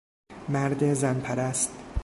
مرد زن پرست